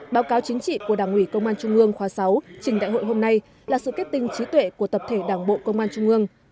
báo cáo chính trị của đảng ủy công an trung ương khóa sáu trình đại hội hôm nay là sự kết tinh trí tuệ của tập thể đảng bộ công an trung ương